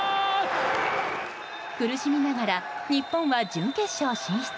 苦しみながら日本は準決勝進出。